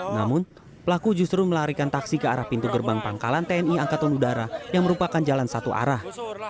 namun pelaku justru melarikan taksi ke arah pintu gerbang pangkalan tni angkatan udara yang merupakan jalan satu arah